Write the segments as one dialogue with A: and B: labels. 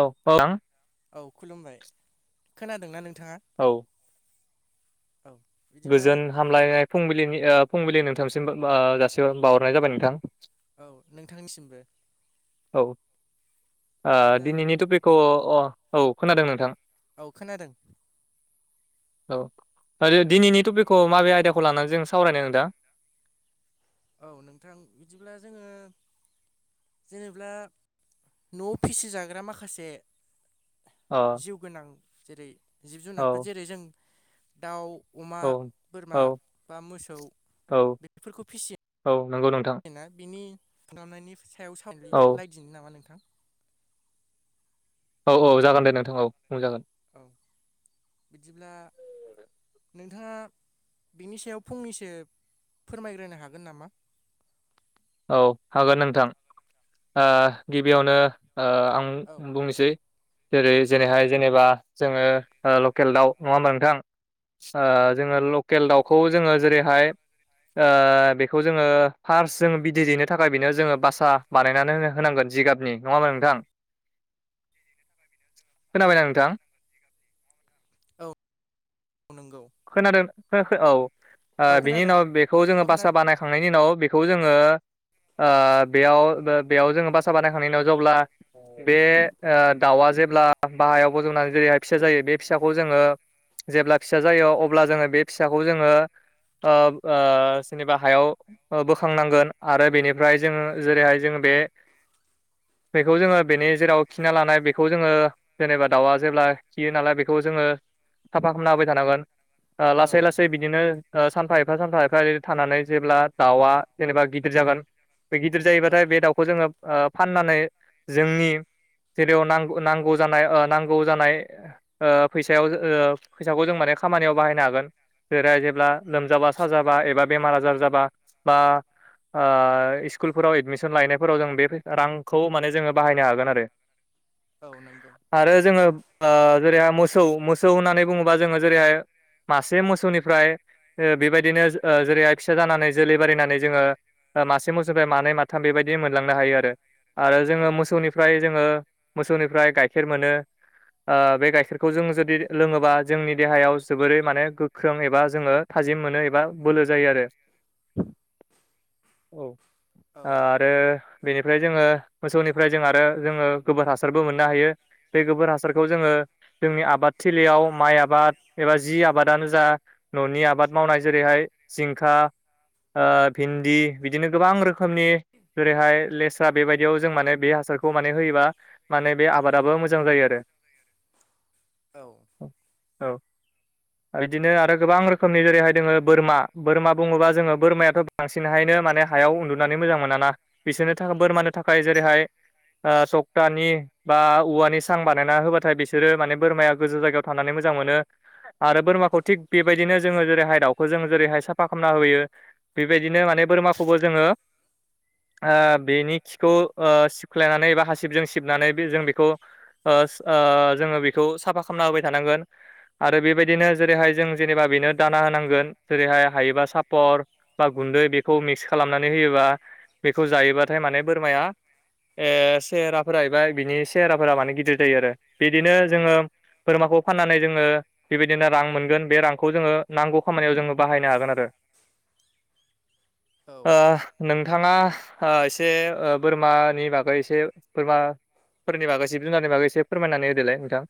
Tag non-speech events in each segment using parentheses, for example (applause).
A: औ औ नोंथां।
B: औ खुलुमबाय खोनादोंना नोंथाङा?
A: औ
B: औ बिदिब्ला
A: गोजोन हामलायनाय फुंबिनि ओ फुंबिलिनि नोंथांसिम ओ जासे बावहरनाय जाबाय नोंथां।
B: औ नोंथांनिसिमबो।
A: औ ओ
B: बिदिब्ला
A: दिनैनि टपिकखौ अ औ खोनादों नोंथां।
B: औ खोनादों।
A: औ दिनैनि टपिकखौ माबे आयदाखौ लानानै जों सावरायनो नोंथां?
B: औ नोंथां बिदिब्ला जोङो जेनेा न'आव फिसिजाग्रा माखासे
A: अ
B: जिउ गोनां जेरै जिब
A: औ
B: जुनारफोर जेरै जों दाउ अमा
A: औ
B: बोरमा
A: औ
B: बा मोसौ
A: औ
B: बेफोरखौ फिसियो।
A: औ नंगौ नोंथां।
B: ना बिनि खुबनायनि सायाव सान
A: औ
B: लायदिनो नामा नोंथां?
A: औ औ जागोन दे नोंथां औ बुंजागोन।
B: औ बिदिब्ला नोंथाङा बिनि सायाव फंनैसो फोरमायग्रोनो हागोन नामा?
A: औ हागोन नोंथां ओ गिबियावनो ओ आं
B: औ
A: बुंनोसै जेरै जेरैहाय जेनेबा जोङो ओ लकेल दाउ नङा होमबा नोंथां? जोङो लकेल दाउखौ जोङो जेरैहाय ओ बेखौ जोङो फार्स्ट जोङो बिदै दैनो थाखाय बेनो जोङो बासा बानायनानै होनो होनांगोन जिगाबनि नङा होमबा नोंथां?
B: (inaudible)
A: खोनाबायना नोंथां?
B: औ औ नंगौ।
A: खोनादों औ
B: औ
A: बिनि
B: खोनादों
A: उनाव बेखौ
B: औ
A: जोङो
B: खोनादों
A: बासा बानाय थांनायनि दिनाव बेखौ जोङो ओ बेयाव बेयाव जोङो बासा बानायखांनायनि उनाव जेब्ला बे ओ दाउआ जेब्ला बाहायाव बज'नानै जेरैहाय फिसा जायो बे फिसाखौ जोङो जेब्ला फिसा जायो अब्ला जोङो बे फिसाखौ जोङो ओ ओ जेनेबा हायाव ओ बोखांनांगोन आरो बेनिफ्राय जों जेरैहाय जोङो बे बेखौ जोङो बेनि जेराव खिना लानाय बेखौ जोङो जेनेबा दाउआ जेब्ला खियो नालाय बेखौ जोङो साफा खालामना होबाय थानांगोन। ओ
B: औ
A: लासै लासै बिदिनो ओ सानफा एफा सानफा एफा एदि थानानै जेब्ला दाउआ जेनेबा गिदिर जागोन बे गिदिर जायोबाथाय
B: औ
A: बे दाउखौ जोङो ओ फाननानै जोंनि जेरैयाव नांगौ नांगौ जानाय ओ नांगौ जानाय ओ फैसायाव फैसाखौ जों माने खामानियाव बाहायनो हागोन। जेरै जेब्ला लोमजाबा साजाबा एबा बेमार आजार जाबा बा ओ स्कुलफोराव एडमिसन लायनायफोराव जों बे रांखौ माने जोङो बाहायनो हागोन आरो।
B: (inaudible) औ नंगौ
A: आरो जोङो जेरैहाय मोसौ मोसौ होननानै बुङोबा जोङो जेरैहाय मासे मोसौनि ओमफ्राय ओ बेबायदिनो जेरैहाय फिसा जानानै जोलै बारिनानै जोङो ओ मासे मोसौनिफ्राय मानै माथाम बेबायदि मोनलांनो हायो आरो
B: औ
A: जोङो मोसौनि ओमफ्राय जोङो मोसौनिफ्राय गाइखेर मोनो ओ बे गाइखेरखौ जों जुदि लोङोबा जोंनि देहायाव जोबोरै माने गोख्रों एबा जोङो थाजिम मोनो एबा बोलो जायो आरो औ
B: औ
A: आरो बेनिफ्राय जोङो मोसौनिफ्राय जों आरो जोङो गोबोर हासार बो मोननो हायो बे गोबोर हासारखौ जोङो जोंनि आबाद थिलियाव माइ आबाद एबा जि आबादानो जा न'नि आबाद मावनाय जेरैहाय जिंखा भिन्दि बिदिनो गोबां रोखोमनि जेरैहाय लेस्रा बेबायदियाव जों माने बे हासारखौ माने होयोबा माने बे आबादाबो मोजां जायो आरो
B: औ
A: औ आरो इदिनो आरो गोबां रोखोमनि जेरैहाय दोङो बोरमा बोरमा बुङोबा जोङो बोरमायाथ बांसिनहायनो माने हायाव उन्दुनानै मोजां मोनाना बिसोरनो थाखाय बोरमानो थाखाय जेरैहाय ओ सप्तानि बा औवानि सां बानायना होबाथाय बिसोरो माने बोरमाया गोजौ जायगायाव थांनानै मोजां मोनो आरो बोरमाखौ थिग बेबायदिनो जोङो जेरैहाय दाउखौ जो जेरैहाय साफा खालामना होयो बेबायदिनो माने बोरमाखौबो जोङो ओ बेनि खिखौ ओ सिबख्लायनानै एबा हासिबजों सिबनानै जों बेखौ ओ ओ जोङो बेखौ साफा खालामना होबाय थानांगोन आरो बेबायदिनो जेरैहाय जों जेनेबा बेनो दाना होनांगोन जेरैहाय हायोबा सापर बा गुन्दै बेखौ मिक्स खालामनानै होयोबा बेखौ जायोबाथाय माने बोरमाया ए सेहेराफोरा एबा बिनि सेहेराफोरा माने गिदिर जायो आरो बिदिनो
B: औ
A: जोङो बोरमाखौ फाननानै जोङो बेबायदिनो रां मोनगोन बे रांखौ जोङो नांगौ खामानियाव जोङो बाहायनो हागोन आरो
B: (inaudible)
A: ओ नोंथाङा ओ एसे बोरमानि बागै एसे बोरमा फोरनि बागै जिब जुनारनि बागै एसे फोरमायनानै होदोलाय नोंथां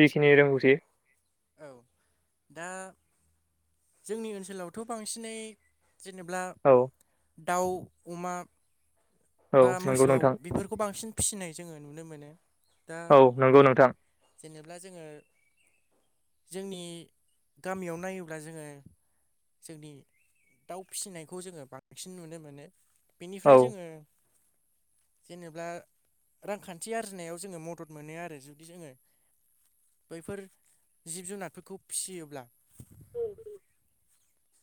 A: जिखिनि रोंगौथि
B: औ दा जोंनि ओनसोलावथ बांसिनै जेनब्ला
A: औ
B: दाउ अमा
A: औ
B: बा
A: नंगौ
B: मोसौ
A: नोंथां
B: बेफोरखौ बांसिन फिसिनाय जोङो नुनो मोनो दा
A: औ नंगौ नोंथां
B: जेनेब्ला जोङो जोंनि गामियाव नायोब्ला जोङो जोंनि दाउ फिसिनायखौ जोङो बांसिन नुनो मोनो
A: औ
B: बेनिफ्राय जोङो जेनेबा रांखान्थि आरजिनायाव जोङो मदद मोनो आरो जुदि जोङो बैफोर जिब जुनारफोरखौ फिसियोब्ला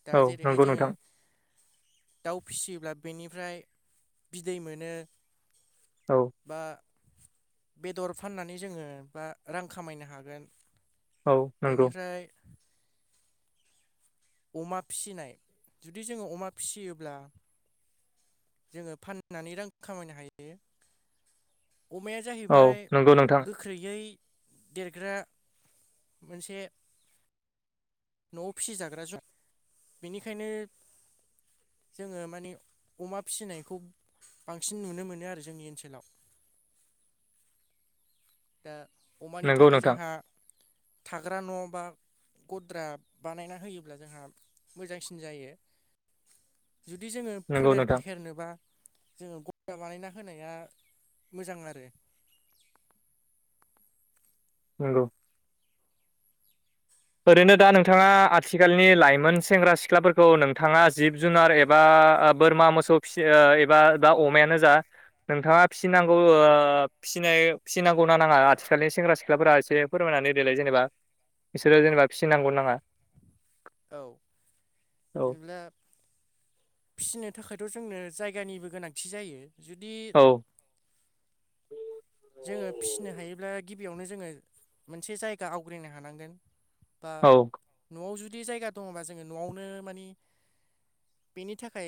B: दा
A: औ
B: जेरैहाय
A: नंगौ
B: जोङो
A: नोंथां
B: दाउ फिसियोब्ला बेनिफ्राय बिदै मोनो
A: औ
B: बा बेदर फाननानै जोङो बा रां खामायनो हागोन
A: औ नंगौ
B: बेनिफ्राय अमा फिसिनाय जुदि जोङो अमा फिसियोब्ला जोङो फाननानै रां खामायनो हायो अमाया
A: औ
B: जाहैबाय
A: नंगौ नोंथां
B: गो ख्रैयै देरग्रा मोनसे न' फिसि जाग्रा जुनार बेनिखायनो जोङो माने अमा फिसिनायखौ बांसिन नुनो मोनो आरो जोंनि ओनसोलाव दा अमानि
A: नंगौ
B: थाखाय
A: नोंथां
B: जोंहा थाग्रा न' बा गद्रा बानायना होयोब्ला जोंहा मोजांसिन जायो जुदि जोङो
A: नंगौ
B: फोलेर
A: नोंथां
B: फेहेरनोबा जोङो गता बानायना होनाया मोजां आरो
A: नोंगौ ओरैनो दा नोंथाङा आथिखालनि लाइमोन सेंग्रा सिख्लाफोरखौ नोंथाङा जिब जुनार एबा बोरमा मोसौ फिसि एबा बा अमायानो जा नोंथाङा फिसिनांगौ ओ फिसिनाय फिसिनांगौना नाङा आथिखालनि सेंग्रा सिख्लाफोरा एसे फोरमायनानै होदोलाय जेनेबा बिसोरो जेनेबा फिसिनांगौना नाङा?
B: औ
A: औ
B: बिदिब्ला फिसिनो थाखायथ' जोंनो जायगानिबो गोनांथि जायो जुदि
A: औ
B: जोङो फिसिनो हायोब्ला गिबियावनो जोङो मोनसे जायगा आवग्रिनो हानांगोन। बा
A: औ
B: न'वाव जुदि जायगा दङबा जोङो न'वावनो माने बेनि थाखाय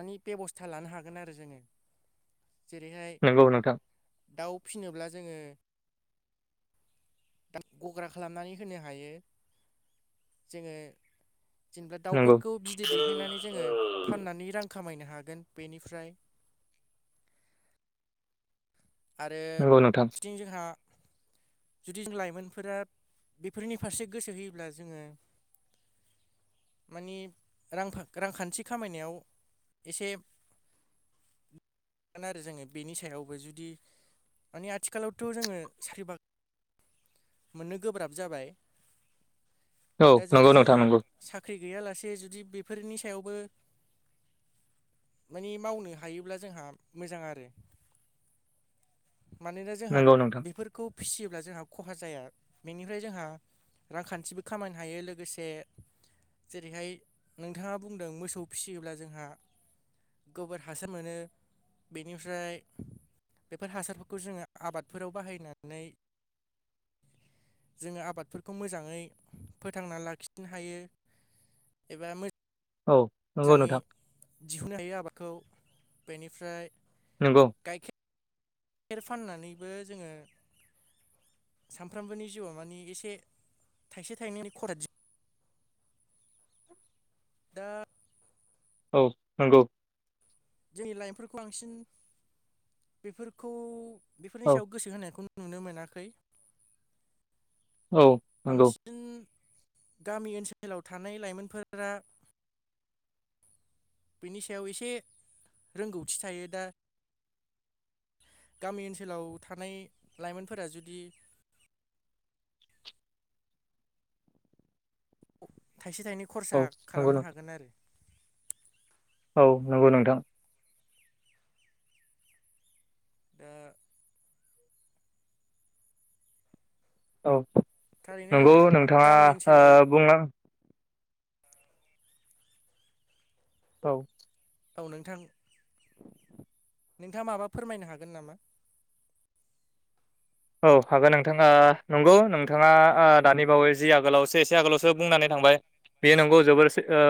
B: माने बेब'स्था लानो हागोन आरो जोङो जेरैहाय
A: हेलौ नोंथां।
B: दाउ फिसिनोब्ला जोङो (unintelligible) गग्रा खालामनानै होनो हायो। जोङो जेनेब्ला
A: नंगौ
B: दाउफोरखौ बिदै दैहायनानै जोङो फाननानै रां खामायनो हागोन बेनिफ्राय आरो
A: नंगौ नोंथां
B: (unintelligible) जोंहा जुदि जों लाइमोनफोरा बेफोरनि फारसे गोसो होयोब्ला जोङो माने रां रांखान्थि खामायनायाव एसे (inaudible) बेनि सायावबो जुदि माने आथिखालावथ' जोङो साख्रि बा मोननो गोब्राब जाबाय
A: औ
B: दा
A: नंगौ
B: जुदि
A: नोंथां
B: जोङो
A: नंगौ
B: साख्रि गैयालासे जुदि बेफोरनि सायावबो माने मावनो हायोब्ला जोंहा मोजां आरो। मानोना जोंहा
A: नंगौ नोंथां
B: बेफोरखौ फिसियोब्ला जोंहा खहा जाया बेनिफ्राय जोंहा रांखान्थिबो खामायनो हायो लोगोसे जेरैहाय नोंथाङा बुंदों मोसौ फिसियोब्ला जोंहा गोबोर हासार मोनो बेनिफ्राय बेफोर हासारफोरखौ जोङो आबादफोराव बाहायनानै जोङो आबादफोरखौ मोजाङै फोथांना लाखिनो हायो। एबा
A: औ नंगौ
B: मोजाङै
A: नोंथां
B: दिहुननो हायो आबादखौ बेनिफ्राय
A: नंगौ।
B: गाइखे र फाननानैबो जोङो सानफ्रामबोनि जिउआव माने एसे थाइसे थाइनैनि खराद दा
A: औ नंगौ।
B: जोंनि लाइमोनफोरखौ बांसिन बेफोरखौ बेफोरनि
A: औ
B: सायाव गोसो होनायखौ नुनो मोनाखै
A: औ नंगौ
B: बांसि न गामि ओनसोलाव थानाय लाइमोनफोरा बिनि सायाव एसे रोंगौथि थायो दा गामि ओनसोलाव थानाय लाइमोनफोरा जुदि थाइसे थाइनै
A: औ
B: खरसा
A: नंगौ
B: खालामनो
A: नोंथां
B: हागोन आरो।
A: औ नंगौ नोंथां
B: दा
A: औ
B: थारैनो
A: नंगौ
B: गामि
A: नोंथाङा
B: ओनसोलाव
A: ओ (unintelligible) औ
B: औ नोंथां नोंथाङा माबा फोरमायनो हागोन नामा
A: औ हागोन नोंथाङा नंगौ नोंथाङा ओ दानि बावै जि आगोलावसो एसे आगोलावसो बुंनानै थांबाय बेयो नंगौ जोबोर ओ (unintelligible)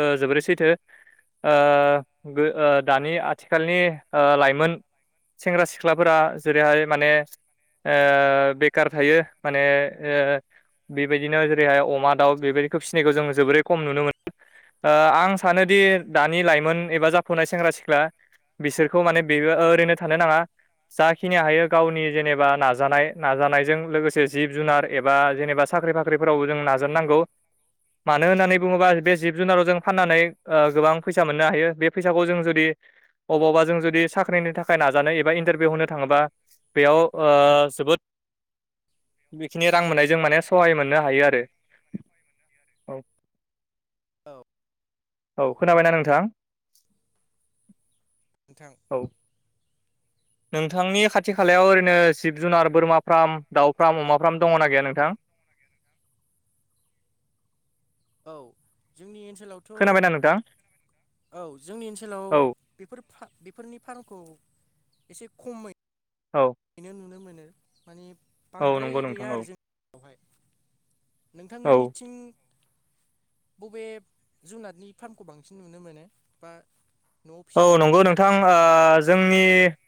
A: ओ जोबोरै सैथो ओ बो ओ दानि आथिखालनि लाइमोन सेंग्रा सिख्लाफोरा जेरैहाय माने ओ बेखार थायो माने ओ बेबायदिनो जेरैहाय अमा दाउ बेबायदिखौ फिसिनायखौ जों जोबोरै खम नुनो मोनो ओ आं सानोदि दानि लाइमोन एबा जाफुनाय सेंग्रा सिख्ला बिसोरखौ माने बेबो ओरैनो थानो नाङा जाखिनि हायो गावनि जेनेबा नाजानाय नाजानायजों लोगोसे जिब जुनार एबा जेनेबा साख्रि बाख्रिफोरावबो जों नाजानो नांगौ मानो होननानै बुङोबा बे जिब जुनारखौ जों फाननानै गोबां फैसा मोननो हायो बे फैसाखौ जों जुदि अबावबा जों जुदि साख्रिनि थाखाय नाजानो एबा इन्टारभिउ होनो थाङोबा बेयाव ओ जोबोद बेखिनि रां मोननायजों माने सहाय मोननो हायो आरो औ
B: (unintelligible) औ
A: औ खोनाबायना नोंथां
B: नोंथां
A: औ नोंथांनि खाथि खालायाव ओरैनो जिब जुनार बोरमा फार्म दाउ फार्म अमा फार्म दङना गैया नोंथां
B: औ जोंनि ओनसोलावथ'
A: खोनाबायना नोंथां?
B: औ जोंनि ओनसोलाव
A: औ
B: बेफोर बेफोरनि फार्मखौ एसे खमै
A: औ
B: आइनो नुनो मोनो माने
A: औ
B: बांद्राय
A: नंगौ नोंथां
B: गैया
A: औ
B: आरो जोंनियावहाय
A: औ
B: नोंथांमोननिथिं बबे जुनारनि फार्मखौ बांसिन नुनो मोनो बा न'आव फिसिजाग्रा जिब जुनारनि बागै
A: नि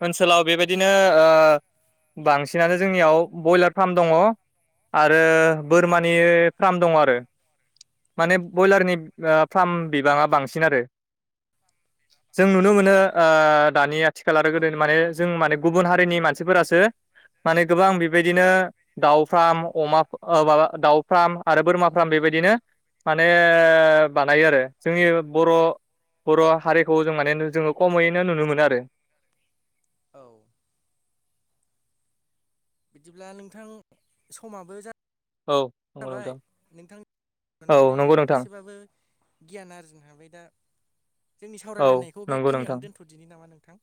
A: ओनसोलाव बेबायदिनो ओ बांसिनानो जोंनियाव ब्रयलार फार्म दङ आरो बोरमानि फार्म दं आरो माने ब्रयलारनि फार्म बिबाङा बांसिन आरो जों नुनो मोनो ओ दानि आथिखाल आरो गोदो माने जों माने गुबुन हारिनि मानसिफोरासो माने गोबां बेबायदिनो दाउ फार्म अमा माबा दाउ फार्म आरो बोरमा फार्म बेबायदिनो माने बानायो आरो जोंनि बर' बर' हारिखौ जों माने जोङो खमैनो नुनो मोनो आरो
B: औ बिदिब्ला नोंथां समाबो
A: औ नंगौ
B: जाबाय
A: नोंथां
B: नोंथां
A: औ
B: मोननानै
A: नंगौ नोंथां
B: एसेबाबो गियान आरजिनो हाबाय दा जोंनि
A: औ
B: सावरायलायनायखौ
A: नंगौ नोंथां
B: बेखिनियावनो दोन्थ'दिनि नामा नोंथां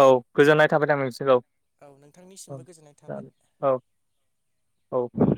A: औ गोजोननाय थाबाय दां नोंसोर औ
B: औ नोंथांनिसिमबो गोजोननाय थाबाय
A: औ औ